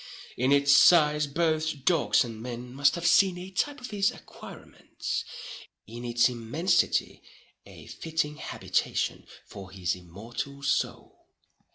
In its size both dogs and men must have seen a type of his acquirements—in its immensity a fitting habitation for his immortal soul.